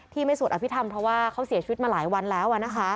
ไม่สวดอภิษฐรรมเพราะว่าเขาเสียชีวิตมาหลายวันแล้ว